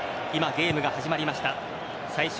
ゲームが始まりました。